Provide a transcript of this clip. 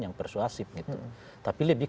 yang persuasif tapi lebih